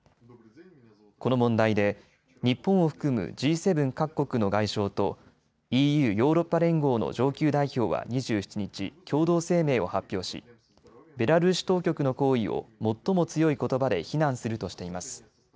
この問題で日本を含むＧ７各国の外相とＥＵ・ヨーロッパ連合の上級代表は２７日、共同声明を発表しベラルーシ当局の行為を最も強いことばで非難するとしています。